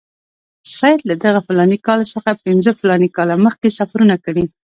سید له دغه فلاني کال څخه پنځه فلاني کاله مخکې سفرونه کړي.